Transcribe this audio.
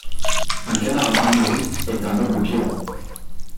Un canard bien nourri « est un noble pirot ».